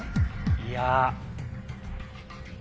いや。